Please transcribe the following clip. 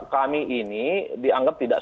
kami ini dianggap tidak